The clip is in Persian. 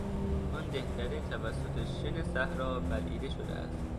آن دهکده توسط شن صحرا بلعیده شده است.